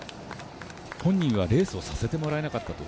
本人はレースをさせてもらえなかったと。